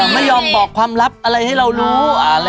ไม่ยอมบอกความลับอะไรให้เรารู้